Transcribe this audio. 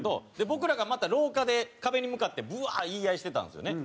僕らがまた廊下で壁に向かってブワーッ言い合いしてたんですよね。